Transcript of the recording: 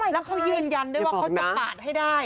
แล้วเขายืนยันด้วยว่าเขาจะปาดให้ได้